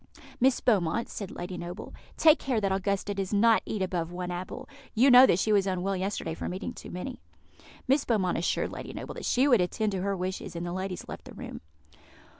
"Miss Beaumont," said Lady Noble, "take care that Augusta does not eat above one apple; you know that she was unwell yesterday from eating too many." Miss Beaumont assured Lady Noble that she would attend to her wishes, and the ladies left the room.